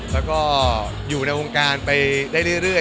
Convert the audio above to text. แล้วก็อยู่ในวงการไปได้เรื่อย